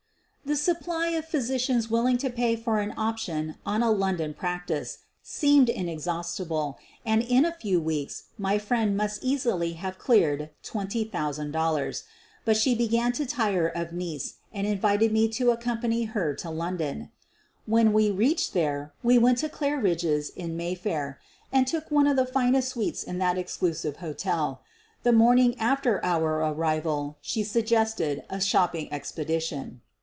The supply of physicians willing to pay for an option on a London practice seemed inexhaustible and in a few weeks my friend must easily have cleared $20,000. But she began to tire of Nice and invited me to accompany her to London. When we reached there we went to Claridge's, in Mayfair, and took one of the finest suites in that exclusive hotel. The morning after our arrival she suggested a shopping expedition.